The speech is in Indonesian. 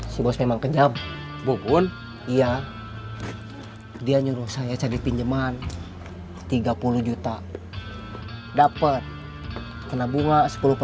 sampai jumpa di video selanjutnya